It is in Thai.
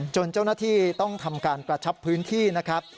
เจ้าหน้าที่ต้องทำการกระชับพื้นที่นะครับ